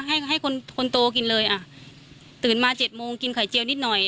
ให้ให้คนคนโตกินเลยอ่ะตื่นมาเจ็ดโมงกินไข่เจียวนิดหน่อย